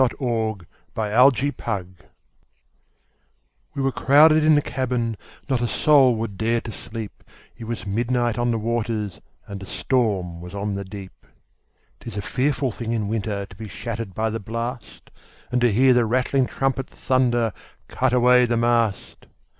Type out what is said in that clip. Y Z Ballad of the Tempest WE were crowded in the cabin, Not a soul would dare to sleep, It was midnight on the waters, And a storm was on the deep. 'Tis a fearful thing in winter To be shattered by the blast, And to hear the rattling trumpet Thunder, "Cut away the mast!"